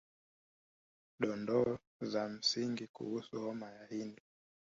Dondoo za msingi kuhusu homa ya ini